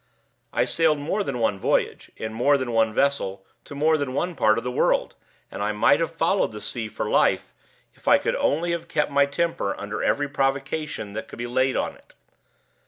I sailed more than one voyage, in more than one vessel, to more than one part of the world, and I might have followed the sea for life, if I could only have kept my temper under every provocation that could be laid on it.